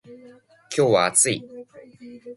今日は暑い。